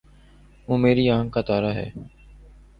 وہ میری آنکھ کا تارا ہے